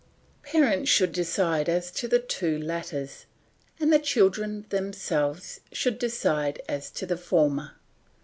Parents should decide as to the two latters, and the children themselves should decide as to the former.